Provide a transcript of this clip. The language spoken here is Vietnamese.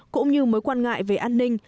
cũng như mối quan ngại về an ninh